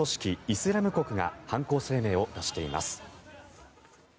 イスラム国が犯行声明を出しています。